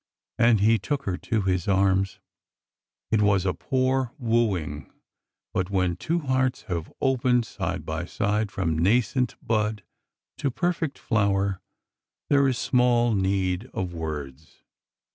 And he took her to his arms. It was a poor wooing, but when two hearts have opened side by side from nascent bud to perfect flower, there is small need of words.